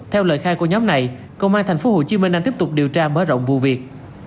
theo lời khai của nhóm này công an tp hcm đang tiếp tục điều tra mở rộng vụ việc